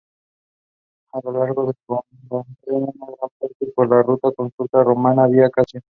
El lago está bordeado en gran parte por la ruta consular romana "Via Cassia".